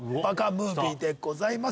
ムービーでございます。